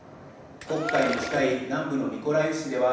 黒海に近い南部のミコライウ市では